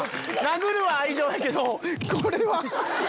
殴るは愛情やけどこれは。